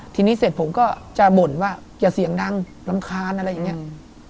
ทีนี้เสร็จผมก็จะบ่นว่าอย่าเสียงดังรำคาญอะไรอย่างนี้